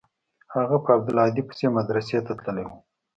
هغه په عبدالهادي پسې مدرسې ته تللى و.